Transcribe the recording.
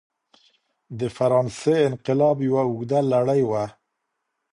د فرانسې انقلاب یوه اوږده لړۍ وه.